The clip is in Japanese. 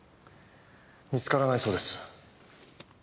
見つからないそうです。